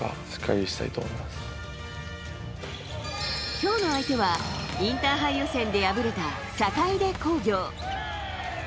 今日の相手はインターハイ予選で敗れた坂出工業。